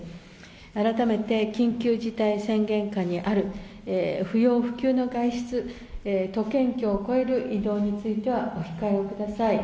改めて緊急事態宣言下にある、不要不急の外出、都県境を越える移動についてはお控えをください。